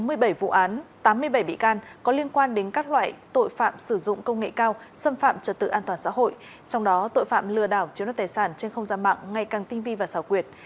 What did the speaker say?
cơ quan chức năng đã phát hiện và khởi tố bốn mươi bảy vụ án có liên quan đến các loại tội phạm sử dụng công nghệ cao xâm phạm trật tự an toàn xã hội trong đó tội phạm lừa đảo chiếu đoạt tài sản trên không gian mạng ngày càng tinh vi và xảo quyệt